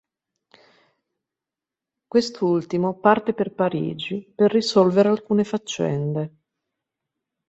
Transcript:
Quest'ultimo parte per Parigi per risolvere alcune faccende.